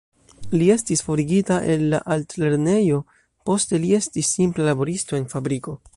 Li estis forigita el la altlernejo, poste li estis simpla laboristo en fabriko.